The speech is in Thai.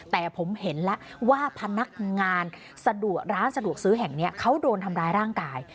แต่ผมเห็นแล้วว่าพนักงานสะดวกร้านสะดวกซื้อแห่งนี้เขาโดนทำร้ายร่างกาย